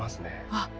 あっ。